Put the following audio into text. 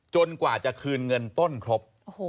กว่าจะคืนเงินต้นครบ